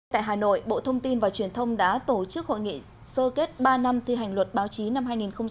tại hà nội bộ thông tin và truyền thông đã tổ chức hội nghị sơ kết ba năm thi hành luật báo chí năm hai nghìn một mươi tám